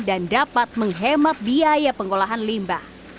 dan dapat menghemat biaya pengolahan limbah